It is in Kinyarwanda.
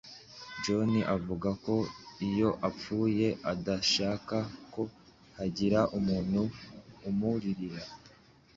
John avuga ko iyo apfuye adashaka ko hagira umuntu umuririra.